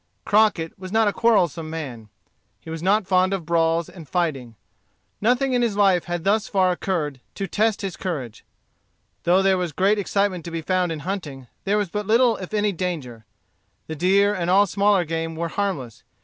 Crockett was not a quarrelsome man. He was not fond of brawls and fighting. Nothing in his life had thus far occurred to test his courage. Though there was great excitement to be found in hunting, there was but little if any danger. The deer and all smaller game were harmless.